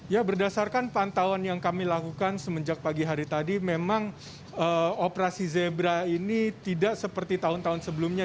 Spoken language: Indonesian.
ya berdasarkan pantauan yang kami lakukan semenjak pagi hari tadi memang operasi zebra ini tidak seperti tahun tahun sebelumnya